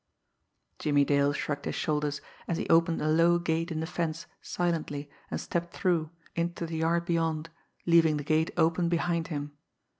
Jimmie Dale shrugged his shoulders, as he opened a low gate in the fence silently and stepped through, into the yard beyond, leaving the gate open behind him.